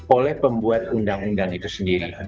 oleh pembuat undang undang itu sendiri